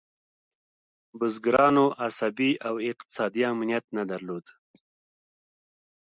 بزګرانو عصبي او اقتصادي امنیت نه درلود.